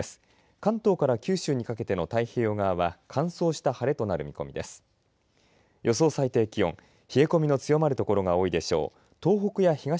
関東から九州にかけての太平洋側は乾燥した晴れとなる見込みです。